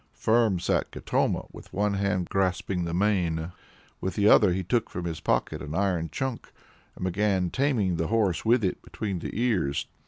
Firm sat Katoma, with one hand grasping the mane; with the other he took from his pocket an iron chunk, and began taming the horse with it between the ears.